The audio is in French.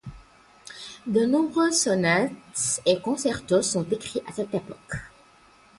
De nombreuses sonates et concertos sont écrits à cette époque.